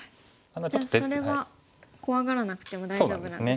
じゃあそれは怖がらなくても大丈夫なんですね。